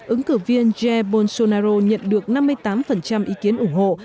ứng cử viên jair bolsonaro nhận được năm mươi tám ý kiến ủng hộ